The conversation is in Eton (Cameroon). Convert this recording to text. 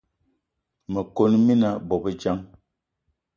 Me kon mina bobedjan.